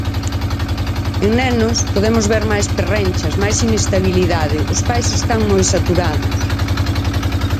En nenos podemos ver máis perrenchas, máis inestabilidade, os pais están moi saturados.